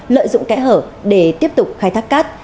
lợi dụng kẽ hở để tiếp tục khai thác cát